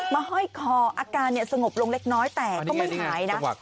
ห้อยคออาการสงบลงเล็กน้อยแต่ก็ไม่หายนะ